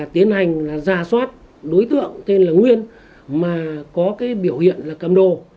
tiến hành là giả soát đối tượng tên là nguyên mà có cái biểu hiện là cầm đồ